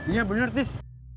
iya bener ties